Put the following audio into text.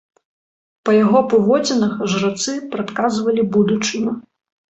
Па яго паводзінах жрацы прадказвалі будучыню.